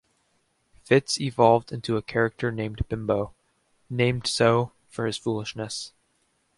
Fitz evolved into a character named Bimbo, named so for his foolishness.